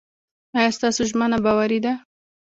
ایا ستاسو ژمنه باوري ده؟